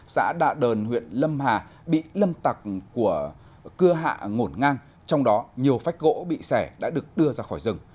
xã đạ đờn huyện lâm hà bị lâm tặc của cưa hạ ngổn ngang trong đó nhiều phách gỗ bị xẻ đã được đưa ra khỏi rừng